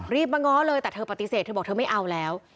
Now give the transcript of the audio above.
มาง้อเลยแต่เธอปฏิเสธเธอบอกเธอไม่เอาแล้ว